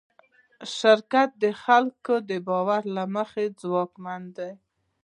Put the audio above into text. شرکت د خلکو د باور له مخې ځواکمن دی.